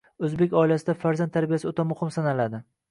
O‘zbek oilasida farzand tarbiyasi o‘ta muhim sanaladi